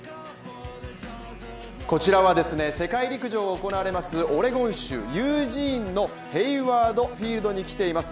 こちらは世界陸上が行われますオレゴン州ユージーンのヘイワード・フィールドに来ています。